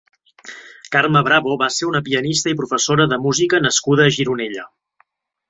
Carme Bravo va ser una pianista i professora de música nascuda a Gironella.